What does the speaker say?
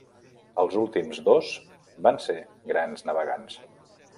Els últims dos van ser grans navegants.